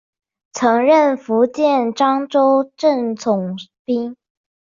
曾任福建漳州镇总兵。